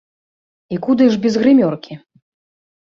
І куды ж без грымёркі!